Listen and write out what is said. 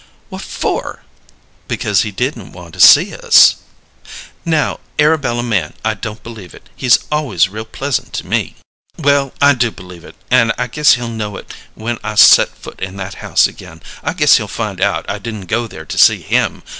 "What for?" "Because he didn't want to see us." "Now, Arabella Mann, I don't believe it! He's always real pleasant to me." "Well, I do believe it, and I guess he'll know it when I set foot in that house again. I guess he'll find out I didn't go there to see him!